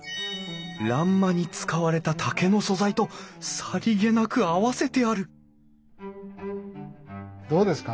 欄間に使われた竹の素材とさりげなく合わせてあるどうですか？